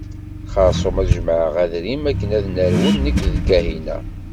Xerṣum ad jemɛeɣ adrim akken ad nerwel nekk d Kahina.